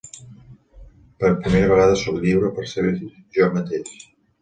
Per primera vegada soc lliure per a ser jo mateix.